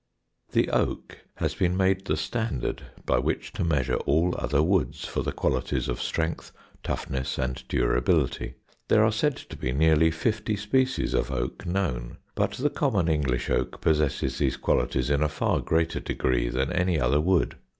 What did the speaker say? The oak has been made the standard by which to measure all other woods for the qualities of strength, toughness, and durability. There are said to be nearly fifty species of oak known, but the common English oak possesses these qualities in a far greater degree than any other wood.